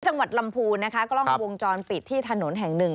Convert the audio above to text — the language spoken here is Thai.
จังหวัดลำพูนนะคะกล้องวงจรปิดที่ถนนแห่งหนึ่ง